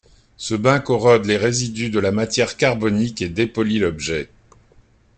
Ce bain corrode les résidus de la matière carbonique et dépolit l’objet.